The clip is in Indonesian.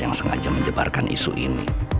yang sengaja menyebarkan isu ini